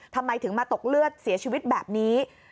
ทำไมถึงมาตกเลือดเสียชีวิตแบบนี้